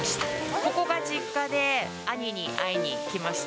ここが実家で、兄に会いに来ました。